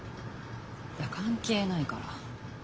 いや関係ないから。